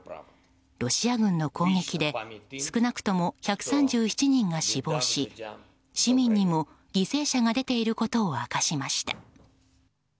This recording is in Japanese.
ロシア軍の攻撃で少なくとも１３７人が死亡し市民にも犠牲者が出ていることを明かしました。